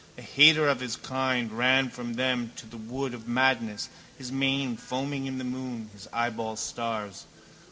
A hater of his kind ran from them to the wood of madness, his mane foaming in the moon, his eyeballs stars.